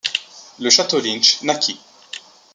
Le château Lynch naquit.